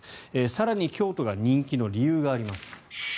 更に京都が人気の理由があります。